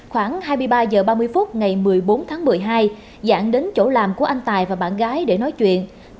khoảng hai mươi ba h ba mươi phút ngày một mươi bốn tháng một mươi hai dạng đến chỗ làm của anh tài và bạn gái để nói chuyện